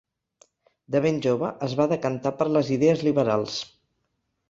De ben jove es va decantar per les idees liberals.